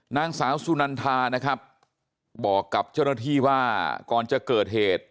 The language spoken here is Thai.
นางสาวสุนันทานะครับบอกกับเจ้าหน้าที่ว่าก่อนจะเกิดเหตุ